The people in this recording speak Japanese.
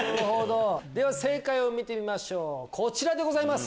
では正解を見てみましょうこちらでございます。